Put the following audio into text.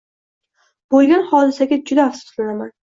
Bo’lgan hodisaga juda afsuslanaman.